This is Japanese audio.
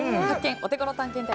オテゴロ探検隊